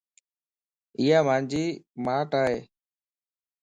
ايا مانجي ماٽ ائي